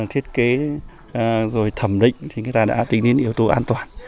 thiết kế rồi thẩm định thì người ta đã tính đến yếu tố an toàn